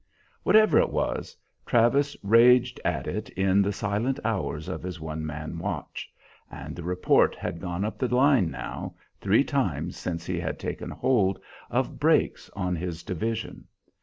Whatever it was, Travis raged at it in the silent hours of his one man watch; and the report had gone up the line now, three times since he had taken hold, of breaks on his division.